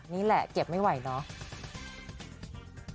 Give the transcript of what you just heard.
นี่แหละเก็บไม่ไหวเนาะ